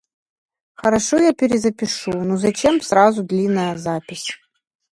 И вы будьте.